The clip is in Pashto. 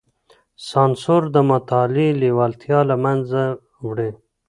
سانسور د مطالعې لېوالتيا له منځه وړي.